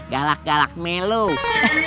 galak galak meluk